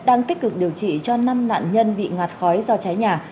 đang tích cực điều trị cho năm nạn nhân bị ngạt khói do cháy nhà